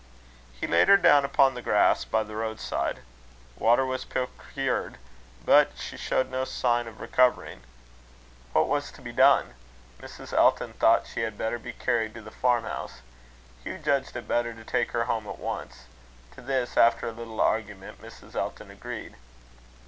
He laid her down upon the grass by the roadside. Water was procured, but she showed no sign of recovering. What was to be done? Mrs. Elton thought she had better be carried to the farm house. Hugh judged it better to take her home at once. To this, after a little argument, Mrs. Elton agreed.